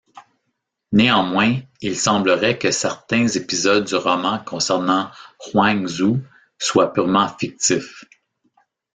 Néanmoins, il semblerait que certains épisodes du roman concernant Huang Zu soient pûrement fictifs.